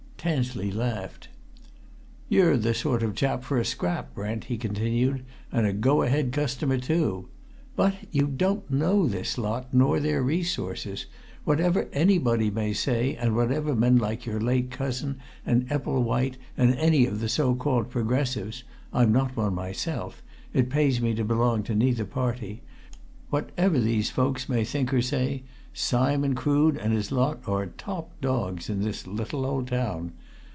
Tansley laughed. "You're the sort of chap for a scrap, Brent," he continued, "and a go ahead customer too! But you don't know this lot, nor their resources. Whatever anybody may say, and whatever men like your late cousin, and Epplewhite, and any of the so called Progressives I'm not one, myself; it pays me to belong to neither party! whatever these folks may think or say, Simon Crood and his lot are top dogs in this little old town!